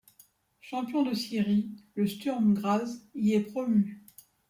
Champion de Styrie, le Sturm Graz y est promu.